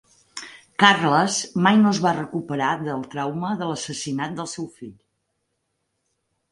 Carles mai no es va recuperar del trauma de l'assassinat del seu fill.